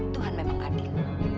tuhan memang adil